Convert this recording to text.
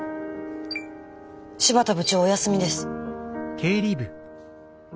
新発田部長お休みです。